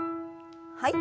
はい。